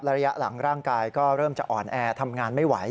ระยะหลังร่างกายก็เริ่มจะอ่อนแอทำงานไม่ไหว